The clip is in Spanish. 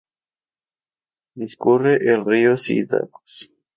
Discurre el río Cidacos.